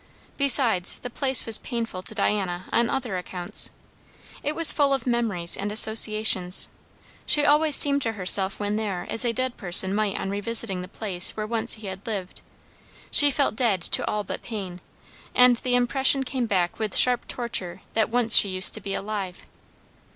Besides, the place was painful to Diana on other accounts. It was full of memories and associations; she always seemed to herself when there as a dead person might on revisiting the place where once he had lived; she felt dead to all but pain, and the impression came back with sharp torture that once she used to be alive.